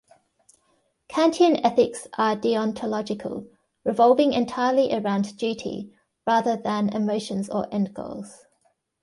Kantian ethics are deontological, revolving entirely around duty rather than emotions or end goals.